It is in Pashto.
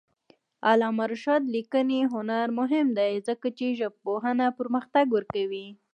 د علامه رشاد لیکنی هنر مهم دی ځکه چې ژبپوهنه پرمختګ ورکوي.